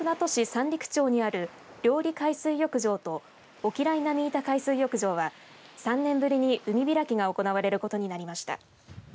三陸町にある綾里海水浴場と越喜来浪板海水浴場は３年ぶりに海開きが行われることになりました。